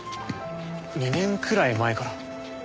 ２年くらい前から。